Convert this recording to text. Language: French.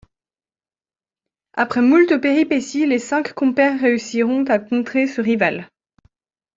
Après moult péripéties, les cinq compères réussiront à contrer ce rival.